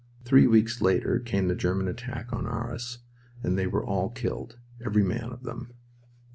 Three weeks later came the German attack on Arras and they were all killed. Every man of them.